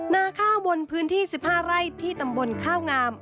นาข้าวบนพื้นที่๑๕ไร่ที่ตำบลข้าวงาม